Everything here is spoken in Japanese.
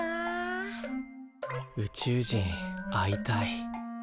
宇宙人会いたい。